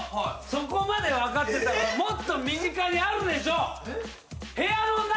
そこまで分かってたらもっと身近にあるでしょ。